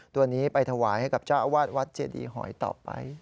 ตัวนี้ไปถวายให้กับเจ้าอาวาสวัดเจดีหอยต่อไป